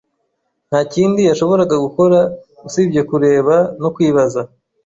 nta kindi yashoboraga gukora usibye kureba no kwibaza.